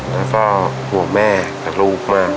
แล้วก็ห่วงแม่กับลูกมาก